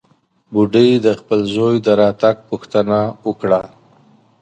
بوډۍ د خپل زوى د راتګ پوښتنه وکړه.